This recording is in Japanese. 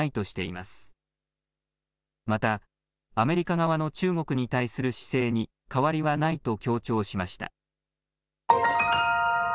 また、アメリカ側の中国に対する姿勢に変わりはないと強調しました。